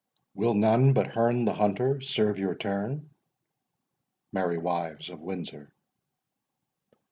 Will none but Hearne the Hunter serve your turn? MERRY WIVES OF WINDSOR.